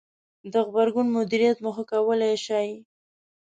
-د غبرګون مدیریت مو ښه کولای ش ئ